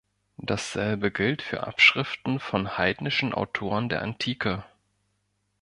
Dasselbe gilt für Abschriften von heidnischen Autoren der Antike.